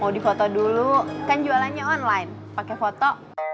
mau di foto dulu kan jualannya online pakai foto